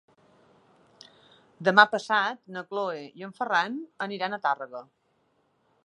Demà passat na Cloè i en Ferran aniran a Tàrrega.